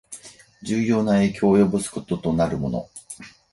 重要な影響を及ぼすこととなるもの